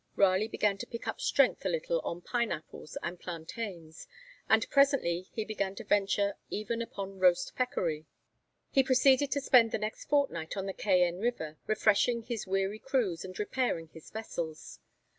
Raleigh began to pick up strength a little on pine apples and plantains, and presently he began to venture even upon roast peccary. He proceeded to spend the next fortnight on the Cayenne river, refreshing his weary crews, and repairing his vessels.